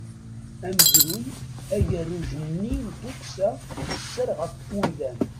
Amezruy, agerruj-nni n tukksa n sser ɣef umdan.